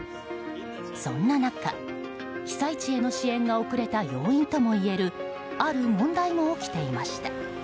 そんな中、被災地への支援が遅れた要因ともいえるある問題も起きていました。